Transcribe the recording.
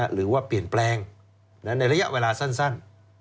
หรือว่าเปลี่ยนแปลงในระยะเวลาสั้น